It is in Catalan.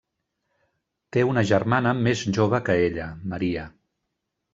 Té una germana més jove que ella, Maria.